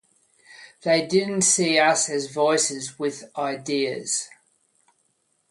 They didn't see us as voices with ideas.